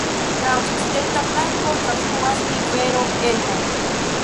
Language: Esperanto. Tra okcidenta flanko trafluas rivero Elbo.